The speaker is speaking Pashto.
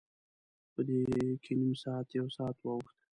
په دې کې نیم ساعت، یو ساعت واوښت.